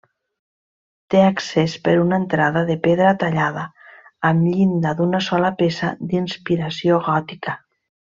Té accés per una entrada de pedra tallada, amb llinda d'una sola peça, d'inspiració gòtica.